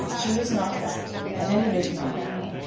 She is not that; at any rate not now.